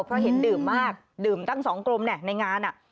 เพราะเห็นดื่มมากดื่มตั้งสองกลมในงาน